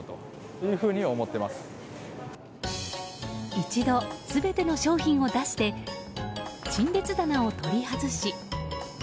一度、全ての商品を出して陳列棚を取り外し。